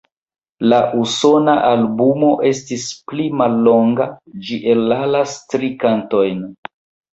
La Usona albumo estis pli mallonga; ĝi ellasas tri kantojn.